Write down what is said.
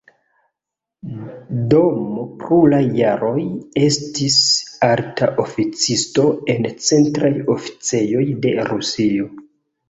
Dm pluraj jaroj estis alta oficisto en centraj oficejoj de Rusio.